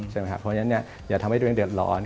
เพราะฉะนั้นอย่าทำให้ตัวเองเดือดร้อน